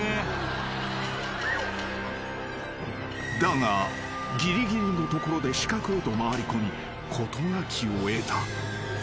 ［だがぎりぎりのところで死角へと回りこみ事なきを得た］